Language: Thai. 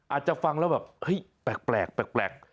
อาจจะฟังแล้วแบบเฮ้ยแปลก